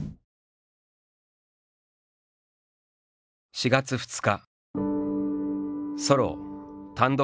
「４月２日」